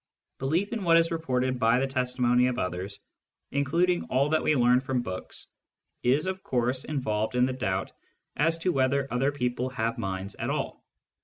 Belief in what is reported by the testimony of others, including all that we learn from books, is of course involved in the doubt as to whether other people have minds at all.